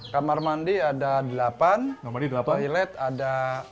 kamar mandi ada delapan toilet ada